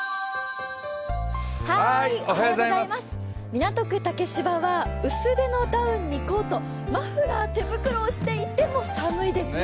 港区竹芝は薄手のダウンにマフラー、手袋をしていても寒いですね。